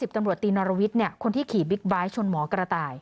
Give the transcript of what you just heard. ตำรวจตีนรวิทย์คนที่ขี่บิ๊กไบท์ชนหมอกระต่าย